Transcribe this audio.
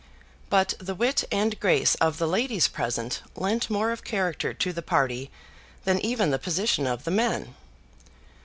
But the wit and grace of the ladies present lent more of character to the party than even the position of the men.